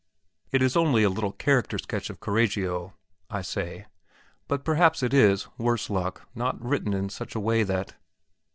"It is only a little character sketch of Correggio," I say; "but perhaps it is, worse luck, not written in such a way that...."